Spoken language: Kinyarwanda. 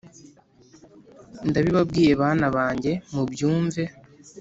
ndabibabwiye bana banjye mubyumve,